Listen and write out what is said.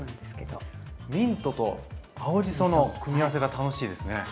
ミントと青じその組み合わせが楽しいですね。